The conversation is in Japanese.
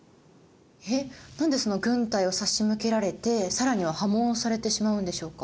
えっ何で軍隊を差し向けられて更には破門されてしまうんでしょうか。